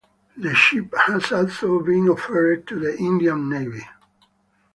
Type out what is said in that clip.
The ship has also been offered to the Indian Navy.